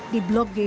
di bloge pasar